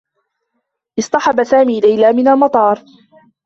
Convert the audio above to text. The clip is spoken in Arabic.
اصطحب سامي ليلى من المطار.